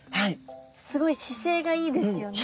すごい姿勢がいいですよね。